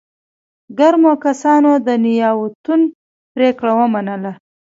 ګرمو کسانو د نياوتون پرېکړه ومنله.